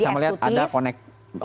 sekarang orang bisa melihat ada koneksi